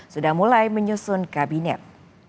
sudah mulai menyusun kabinet